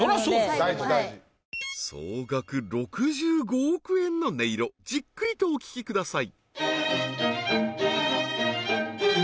大事大事総額６５億円の音色じっくりとお聴きください